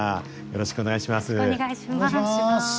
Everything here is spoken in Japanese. よろしくお願いします。